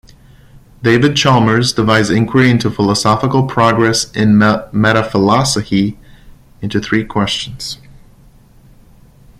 David Chalmers divides inquiry into philosophical progress in metaphilosohy into three questions.